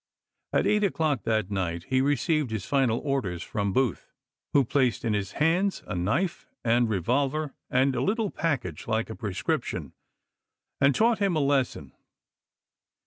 At eight o'clock that night he received his final orders from Booth, who placed in his hands a knife and revolver, and a little package like a prescription, and taught him his lesson.